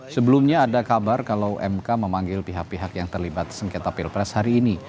sebelumnya ada kabar kalau mk memanggil pihak pihak yang terlibat sengketa pilpres hari ini